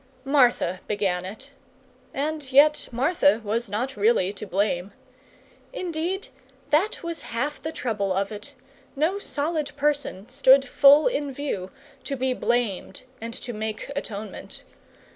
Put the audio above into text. Martha began it; and yet Martha was not really to blame. Indeed, that was half the trouble of it no solid person stood full in view, to be blamed and to make atonement.